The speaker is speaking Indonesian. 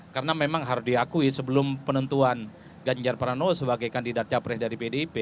karena memang harus diakui sebelum penentuan ganjar pranowo sebagai kandidat capres dari pdip